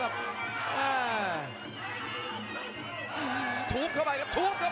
หัวจิตหัวใจแก่เกินร้อยครับ